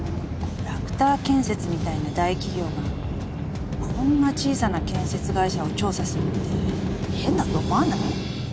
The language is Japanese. ラクター建設みたいな大企業がこんな小さな建設会社を調査するって変だと思わない？